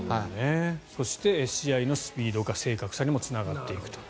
そして、試合のスピードが正確さにもつながっていくと。